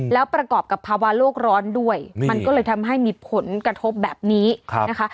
แล้วประกอบกับภาวะโลกร้อนด้วยมันก็เลยทำให้มีผลกระทบแบบนี้นะคะ